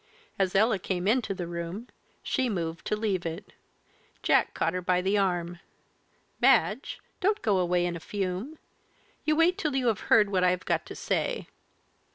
As Ella came into the room, she moved to leave it. Jack caught her by the arm. "Madge, don't go away in a fume! you wait till you have heard what I have got to say.